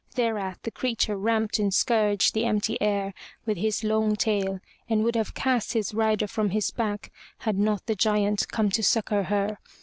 Thereat the creature ramped and scourged the empty air with his long tail, and would have cast his rider from his back, had not the Giant come to succor her.